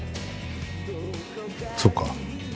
そっか。